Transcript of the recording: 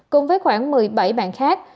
cùng với khoảng một mươi bảy bạn khác